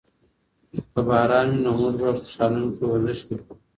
که باران وي نو موږ به په سالون کې ورزش وکړو.